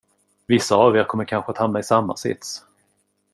Vissa av er kommer kanske att hamna i samma sits.